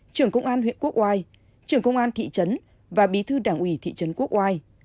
trưởng công an huyện quốc oai trưởng công an thị trấn và bí thư đảng ủy thị trấn quốc oai